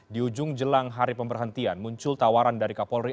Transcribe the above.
di ujung jelang hari pemberhentian muncul tawaran dari kapolri